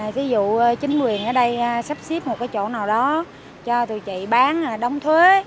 ví dụ chính quyền ở đây sắp xếp một cái chỗ nào đó cho tụi chị bán đóng thuế